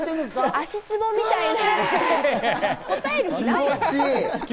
足つぼみたいな感じ？